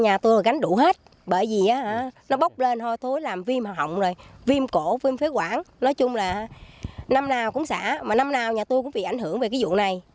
nhà tôi gánh đủ hết bởi vì nó bốc lên hôi thối làm viêm hỏng rồi viêm cổ viêm phế quản nói chung là năm nào cũng xả mà năm nào nhà tôi cũng bị ảnh hưởng về cái vụ này